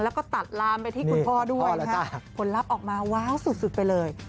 แล้วก็ตัดลามไปที่คุณพ่อด้วยนะฮะผลลัพธ์ออกมาว้าวสุดไปเลย